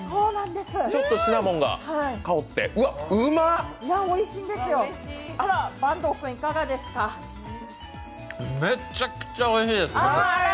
ちょっとシナモンが香って、うまっめっちゃくちゃおいしいです。